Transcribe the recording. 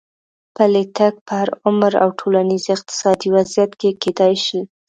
پلی تګ په هر عمر او ټولنیز اقتصادي وضعیت کې کېدای شي.